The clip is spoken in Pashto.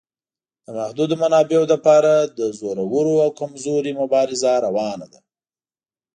د محدودو منابعو لپاره د زورور او کمزوري مبارزه روانه ده.